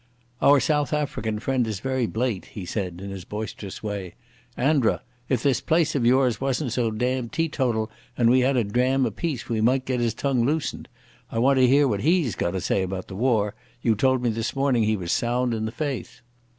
"Our South African friend is very blate," he said in his boisterous way. "Andra, if this place of yours wasn't so damned teetotal and we had a dram apiece, we might get his tongue loosened. I want to hear what he's got to say about the war. You told me this morning he was sound in the faith."